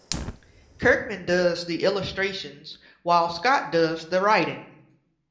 Kirkman does the illustrations, while Scott does the writing.